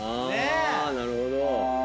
あなるほど。